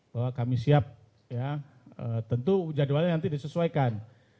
bahwa kami siap ya tentu jadwalnya nanti disesuaikan